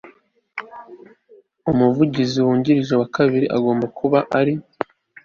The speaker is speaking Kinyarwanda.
umuvugizi wungirije wa kabiri agomba kuba ari